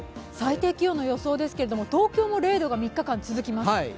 最低気温の予想ですけれども東京も０度が３日間続きます。